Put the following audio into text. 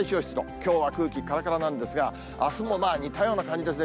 きょうは空気からからなんですが、あすも似たような感じですね。